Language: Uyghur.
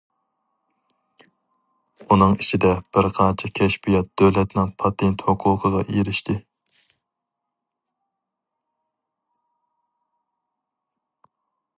ئۇنىڭ ئىچىدە بىرقانچە كەشپىيات دۆلەتنىڭ پاتېنت ھوقۇقىغا ئېرىشتى.